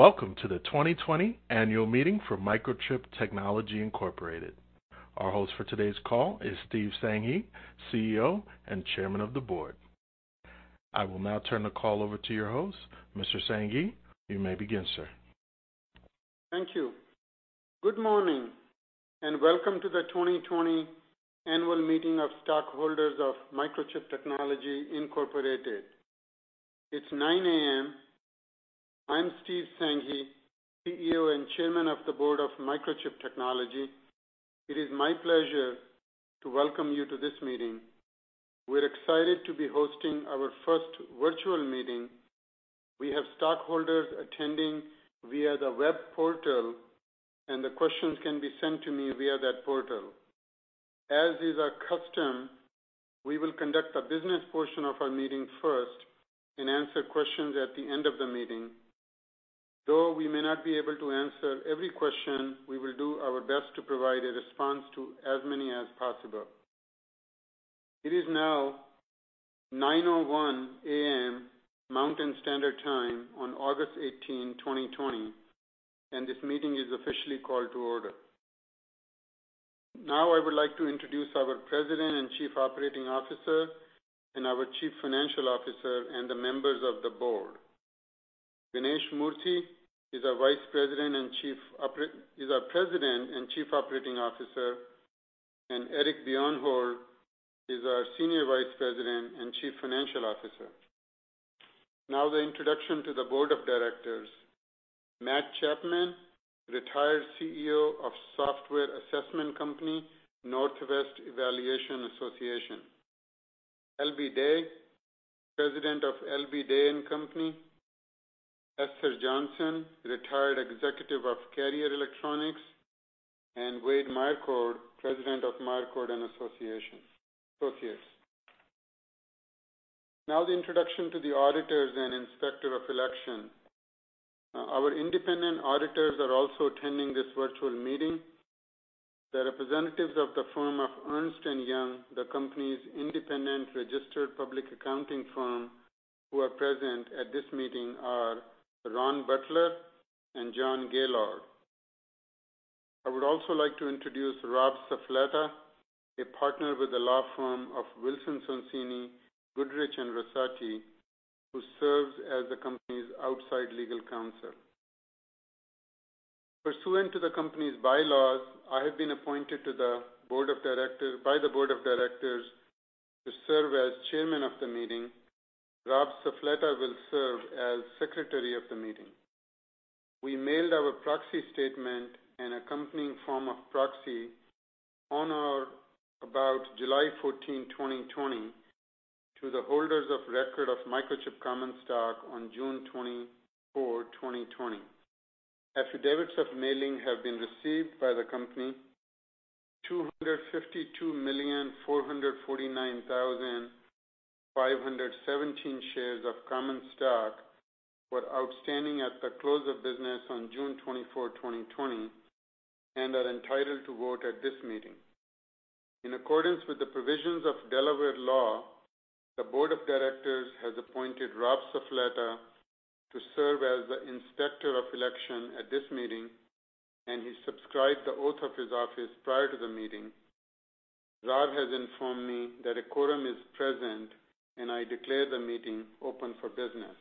Welcome to the 2020 annual meeting for Microchip Technology Incorporated. Our host for today's call is Steve Sanghi, CEO and Chairman of the Board. I will now turn the call over to your host. Mr. Sanghi, you may begin, sir. Thank you. Good morning, and welcome to the 2020 annual meeting of stockholders of Microchip Technology Incorporated. It's 9:00 A.M. I'm Steve Sanghi, CEO and Chairman of the Board of Microchip Technology. It is my pleasure to welcome you to this meeting. We're excited to be hosting our first virtual meeting. We have stockholders attending via the web portal, and the questions can be sent to me via that portal. As is our custom, we will conduct the business portion of our meeting first and answer questions at the end of the meeting. Though we may not be able to answer every question, we will do our best to provide a response to as many as possible. It is now 9:01 A.M., Mountain Standard Time, on August 18, 2020, and this meeting is officially called to order. Now I would like to introduce our President and Chief Operating Officer and our Chief Financial Officer and the members of the board. Ganesh Moorthy is our President and Chief Operating Officer. Eric Bjornholt is our Senior Vice President and Chief Financial Officer. Now the introduction to the board of directors. Matt Chapman, retired CEO of software assessment company Northwest Evaluation Association. L.B. Day, President of L.B. Day & Company. Esther Johnson, retired executive of Carrier Electronics. Wade Marzocchi, President of Marzocchi & Associates. Now the introduction to the auditors and Inspector of Election. Our independent auditors are also attending this virtual meeting. The representatives of the firm of Ernst & Young, the company's independent registered public accounting firm, who are present at this meeting are Ron Butler and John Gaillard. I would also like to introduce Rob Suffoletta, a Partner with the law firm of Wilson Sonsini Goodrich & Rosati, who serves as the company's outside legal counsel. Pursuant to the company's bylaws, I have been appointed by the board of directors to serve as Chairman of the meeting. Rob Suffoletta will serve as Secretary of the meeting. We mailed our proxy statement and accompanying form of proxy on or about July 14, 2020, to the holders of record of Microchip common stock on June 24, 2020. Affidavits of mailing have been received by the company. 252,449,517 shares of common stock were outstanding at the close of business on June 24, 2020, and are entitled to vote at this meeting. In accordance with the provisions of Delaware law, the board of directors has appointed Rob Suffoletta to serve as the Inspector of Election at this meeting. He subscribed the oath of his office prior to the meeting. Rob has informed me that a quorum is present. I declare the meeting open for business.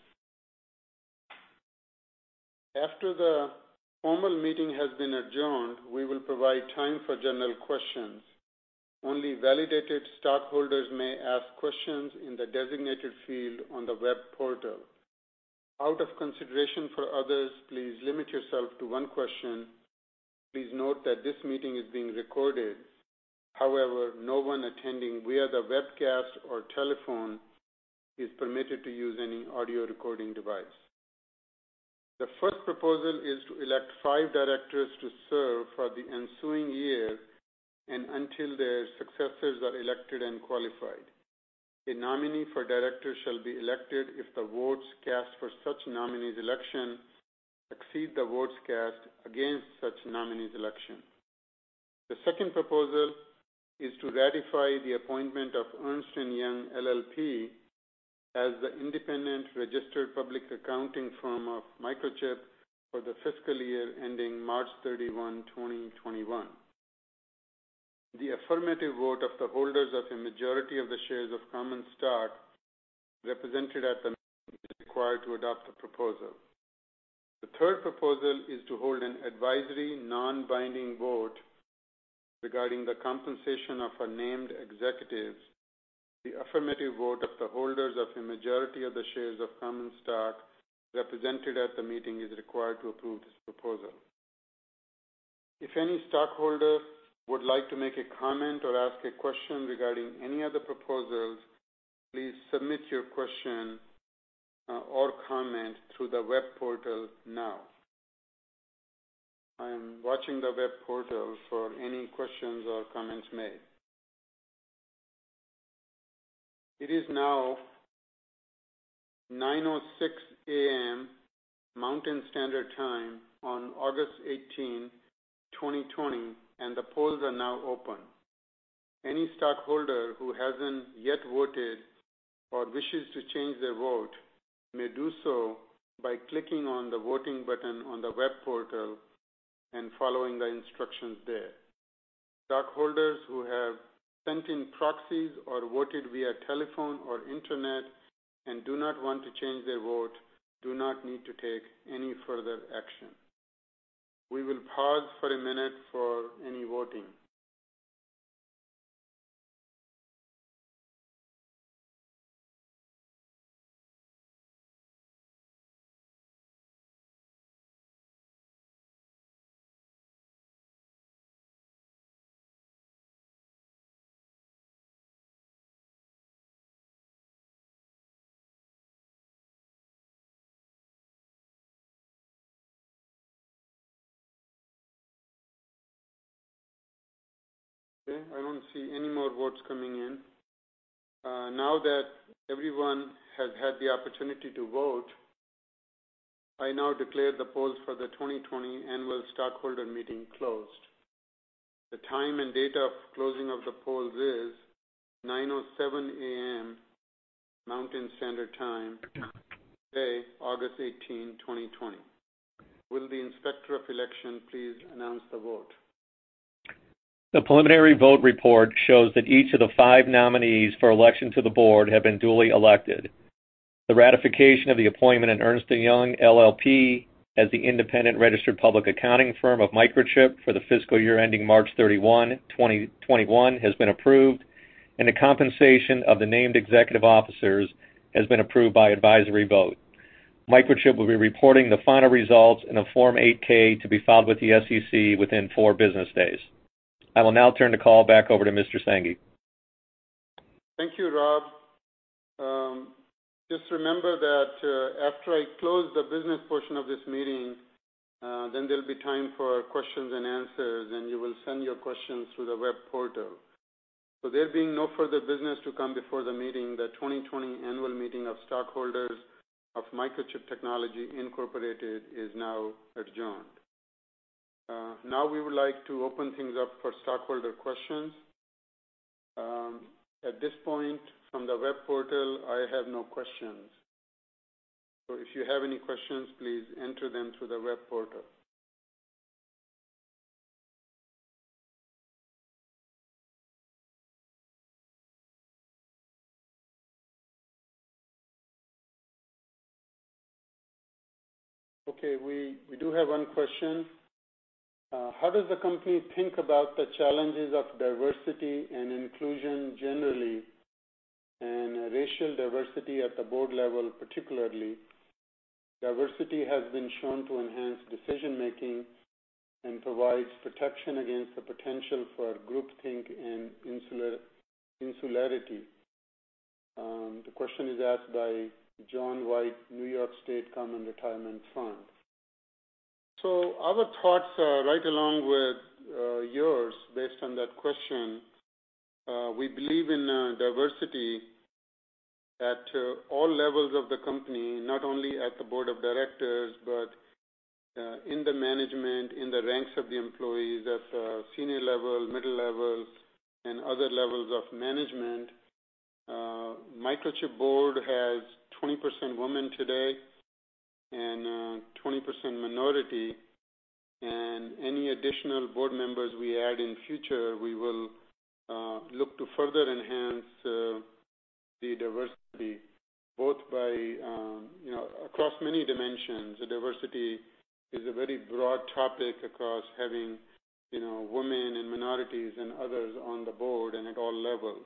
After the formal meeting has been adjourned, we will provide time for general questions. Only validated stockholders may ask questions in the designated field on the web portal. Out of consideration for others, please limit yourself to one question. Please note that this meeting is being recorded. However, no one attending via the webcast or telephone is permitted to use any audio recording device. The first proposal is to elect five directors to serve for the ensuing year and until their successors are elected and qualified. A nominee for director shall be elected if the votes cast for such nominee's election exceed the votes cast against such nominee's election. The second proposal is to ratify the appointment of Ernst & Young LLP as the independent registered public accounting firm of Microchip for the fiscal year ending March 31, 2021. The affirmative vote of the holders of a majority of the shares of common stock represented at the meeting is required to adopt the proposal. The third proposal is to hold an advisory, non-binding vote regarding the compensation of our named executives. The affirmative vote of the holders of a majority of the shares of common stock represented at the meeting is required to approve this proposal. If any stockholder would like to make a comment or ask a question regarding any of the proposals, please submit your question or comment through the web portal now. I am watching the web portal for any questions or comments made. It is now 9:06 A.M., Mountain Standard Time, August 18, 2020, and the polls are now open. Any stockholder who hasn't yet voted or wishes to change their vote may do so by clicking on the voting button on the web portal and following the instructions there. Stockholders who have sent in proxies or voted via telephone or internet and do not want to change their vote do not need to take any further action. We will pause for a minute for any voting. Okay, I don't see any more votes coming in. Now that everyone has had the opportunity to vote, I now declare the polls for the 2020 annual stockholder meeting closed. The time and date of closing of the polls is 9:07 A.M. Mountain Standard Time today, August 18, 2020. Will the Inspector of Election please announce the vote? The preliminary vote report shows that each of the five nominees for election to the board have been duly elected. The ratification of the appointment of Ernst & Young LLP as the independent registered public accounting firm of Microchip for the fiscal year ending March 31, 2021, has been approved, and the compensation of the named executive officers has been approved by advisory vote. Microchip will be reporting the final results in a Form 8-K to be filed with the SEC within four business days. I will now turn the call back over to Mr. Sanghi. Thank you, Rob. Just remember that after I close the business portion of this meeting, then there'll be time for questions and answers, and you will send your questions through the web portal. There being no further business to come before the meeting, the 2020 annual meeting of stockholders of Microchip Technology Incorporated is now adjourned. We would like to open things up for stockholder questions. At this point, from the web portal, I have no questions. If you have any questions, please enter them through the web portal. We do have one question. How does the company think about the challenges of diversity and inclusion generally, and racial diversity at the board level particularly? Diversity has been shown to enhance decision-making and provides protection against the potential for groupthink and insularity. The question is asked by John White, New York State Common Retirement Fund. Our thoughts are right along with yours, based on that question. We believe in diversity at all levels of the company, not only at the board of directors, but in the management, in the ranks of the employees at senior level, middle levels, and other levels of management. Microchip board has 20% women today and 20% minority. Any additional board members we add in future, we will look to further enhance the diversity, across many dimensions. Diversity is a very broad topic across having women and minorities and others on the board and at all levels.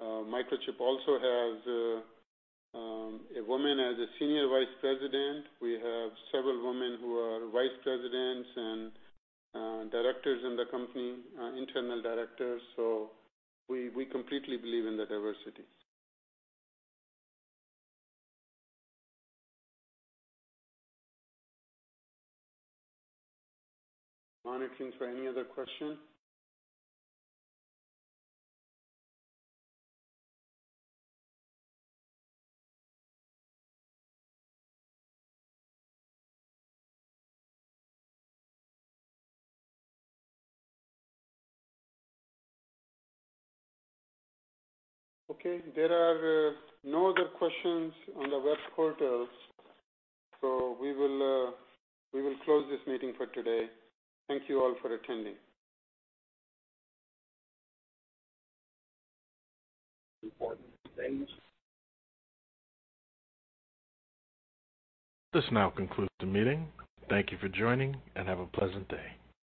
Microchip also has a woman as a Senior Vice President. We have several women who are vice presidents and directors in the company, internal directors, so we completely believe in the diversity. Monitoring for any other question. Okay, there are no other questions on the web portal, so we will close this meeting for today. Thank you all for attending. This now concludes the meeting. Thank you for joining, and have a pleasant day.